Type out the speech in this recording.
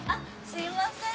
すいません。